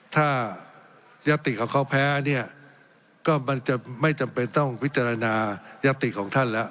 ถ้ายติเขาแพ้ก็มันจะไม่จำเป็นต้องวิจารณายติของท่านแล้ว